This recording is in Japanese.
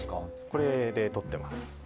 これで撮ってます。